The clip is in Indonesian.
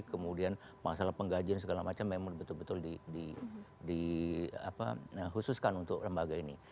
kemudian masalah penggajian segala macam memang betul betul dikhususkan untuk lembaga ini